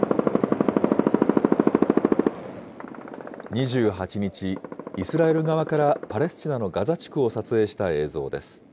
２８日、イスラエル側からパレスチナのガザ地区を撮影した映像です。